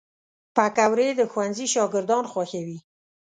پکورې د ښوونځي شاګردان خوښوي